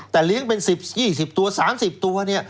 แต่เลี้ยงเป็น๑๐๒๐ตัว๓๐ตัวเนี่ย